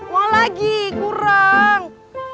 mau lagi kurang